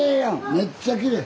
めっちゃきれい。